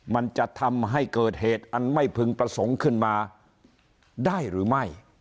มันจะทำให้เกิดเหตุอันไม่พึงประสงค์ขึ้นมาได้หรือไม่